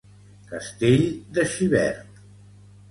Castell de Xivert